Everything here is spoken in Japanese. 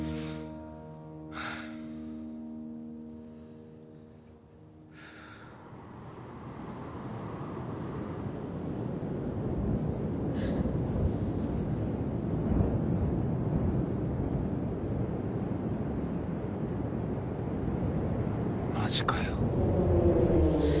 はあマジかよ